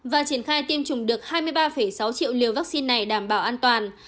và triển khai tiêm chủng được hai mươi ba sáu triệu liều vaccine này đảm bảo an toàn